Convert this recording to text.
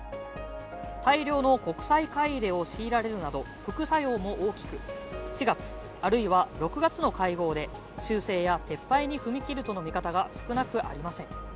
大量の国債買い入れを強いられるなど副作用も大きく４月あるいは６月の会合で修正や撤廃に踏み切るとの見方が少なくありません。